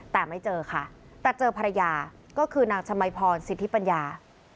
แต่ไม่เจอค่ะแต่เจอภรรยาก็คือนางชมัยพรสิทธิปัญญา